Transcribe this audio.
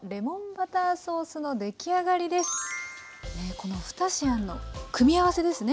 この２品の組み合わせですね。